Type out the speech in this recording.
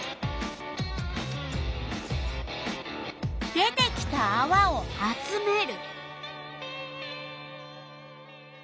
出てきたあわを集める。